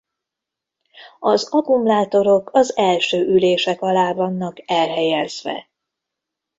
Az akkumulátorok az első ülések alá vannak elhelyezve.